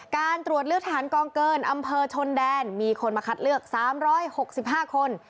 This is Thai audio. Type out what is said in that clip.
การตรวจเลือกทหารกองเกินอำเภอชนแดนมีคนมาคัดเลือก๓๖๕คน